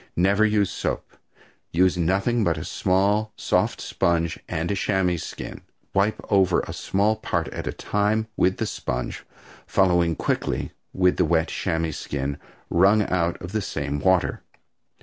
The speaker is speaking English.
Never use soap. Use nothing but a small, soft sponge and a chamois skin. Wipe over a small part at a time with the sponge, following quickly with the wet chamois skin wrung out of the same water.